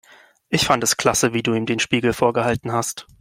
Ich fand es klasse, wie du ihm den Spiegel vorgehalten hast.